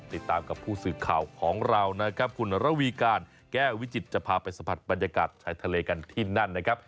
ติดตามกับผู้สื่อข่าวของเรานะครับคุณระวีการแก้ววิจิตจะพาไปสัมผัสบรรยากาศชายทะเลกันที่นั่นนะครับ